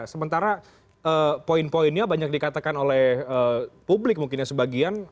sementara poin poinnya banyak dikatakan oleh publik mungkin ya sebagian